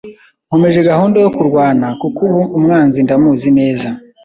nkomeje gahunda yo kurwana kuko ubu umwanzi ndamuzi neza.